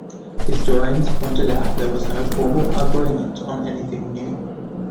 Historians pointed out there was no formal agreement on anything new.